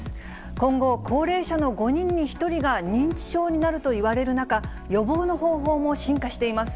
今後、高齢者の５人に１人が認知症になるといわれる中、予防の方法も進化しています。